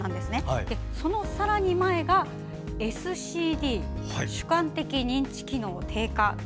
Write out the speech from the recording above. そのさらに前がＳＣＤ＝主観的認知機能低下。